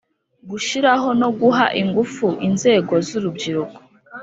Gushyiraho no guha ingufu inzego z urubyiruko